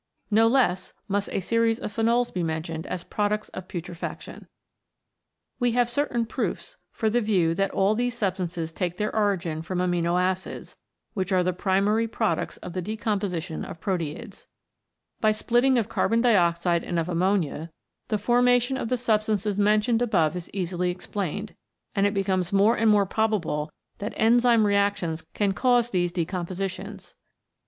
No less must a series of phenols be mentioned as products of putrefaction. We have certain proofs for the view that all these substances take their origin from amino acids, which are the primary products of the decomposition of proteids. By splitting of carbon dioxide and of ammonia the formation of 121 CHEMICAL PHENOMENA IN LIFE the substances mentioned above is easily explained, and it becomes more and more probable that enzyme reactions can cause these decompositions.